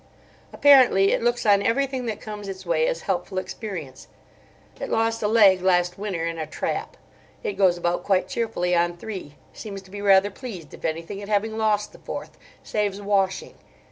Apparently it looks on everything that comes its way as helpful experience. It lost a leg last winter in a trap: it goes about quite cheerfully on three. Seems to be rather pleased, if anything, at having lost the fourth—saves washing.